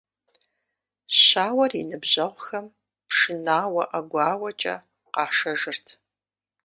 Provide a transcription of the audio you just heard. Щауэр и ныбжьэгъухэм пшынауэ, ӀэгуауэкӀэ къашэжырт.